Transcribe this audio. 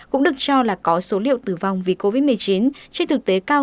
cũng được cho là có số liệu tử vong vì covid một mươi chín trên thực tế cao hơn so với báo cáo